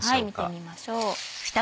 見てみましょう。